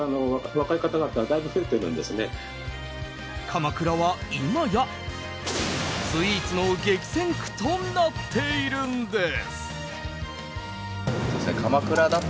鎌倉は今やスイーツの激戦区となっているんです。